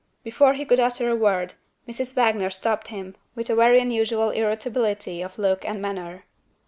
Before he could utter a word, Mrs. Wagner stopped him, with a very unusual irritability of look and manner.